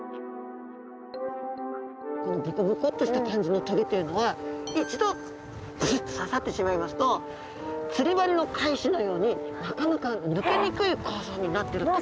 このボコボコっとした感じの棘っていうのは一度ぶすっと刺さってしまいますと釣り針の返しのようになかなか抜けにくい構造になってると考えられています。